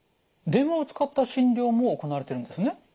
電話を使った診療も行われているんですね。